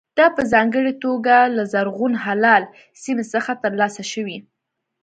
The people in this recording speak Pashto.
دا په ځانګړې توګه له زرغون هلال سیمې څخه ترلاسه شوي.